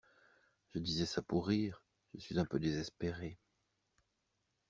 Je disais ça pour rire, je suis un peu désespéré.